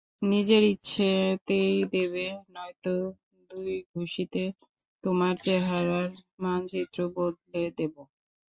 নিজের ইচ্ছাতেই দেবে, নয়তো দুই ঘুষিতে তোমার চেহারার মানচিত্র বদলে দেবো।